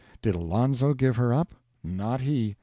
Did Alonzo give her up? Not he.